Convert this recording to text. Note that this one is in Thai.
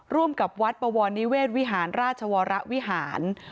ร่วมกับวัดปวรนิเวศวิหารราชวรวิหาร